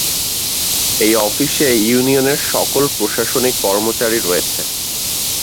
এই অফিসে ইউনিয়নের সকল প্রশাসনিক কর্মচারী রয়েছে।